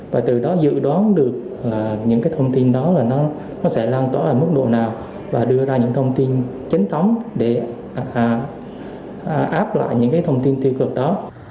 và từ đó dự đoán được những thông tin đó là nó sẽ lan tỏa mức độ nào và đưa ra những thông tin chính tấm để áp lại những thông tin tiêu cực đó